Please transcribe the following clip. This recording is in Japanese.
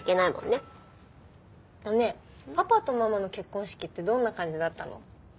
ねえパパとママの結婚式ってどんな感じだったの？